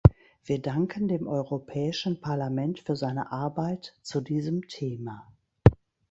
Wir danken dem Europäischen Parlament für seine Arbeit zu diesem Thema.